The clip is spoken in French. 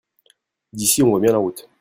D'ici on voit bien la route.